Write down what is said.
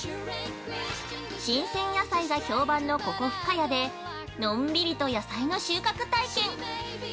新鮮野菜が評判のここ深谷でのんびりと野菜の収穫体験！